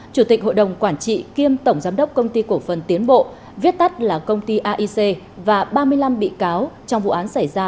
chủ tịch hội đồng quản trị kiêm tổng giám đốc công ty cổ phần tiến bộ viết tắt là công ty aic và ba mươi năm bị cáo trong vụ án xảy ra